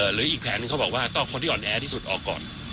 หรืออีกแผนหนึ่งเขาบอกว่าต้องเอาคนที่อ่อนแอที่สุดออกก่อน